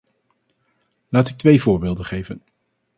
Laat ik twee voorbeelden geven.